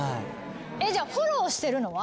じゃあフォローしてるのは？